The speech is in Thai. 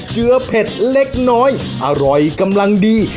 เจือเผ็ดเล็กน้อยอร่อยกำลังดี